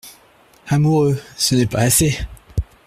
Amoureux !… ce n’est pas assez !…